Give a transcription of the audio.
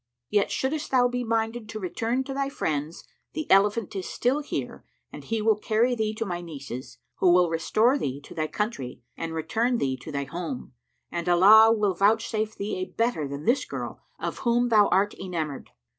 Yet shouldest thou be minded to return to thy friends the elephant is still here and he will carry thee to my nieces, who will restore thee to thy country and return thee to thy home, and Allah will vouchsafe thee a better than this girl, of whom thou art enamoured."